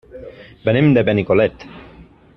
Venim de Benicolet.